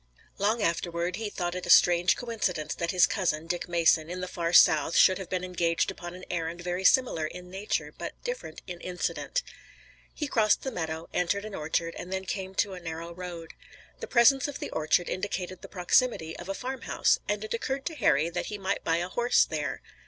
Long afterward he thought it a strange coincidence that his cousin, Dick Mason, in the far South should have been engaged upon an errand very similar in nature, but different in incident. He crossed the meadow, entered an orchard and then came to a narrow road. The presence of the orchard indicated the proximity of a farmhouse, and it occurred to Harry that he might buy a horse there.